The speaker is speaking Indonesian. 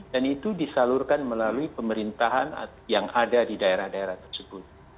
dan itu disalurkan melalui pemerintahan yang ada di daerah daerah tersebut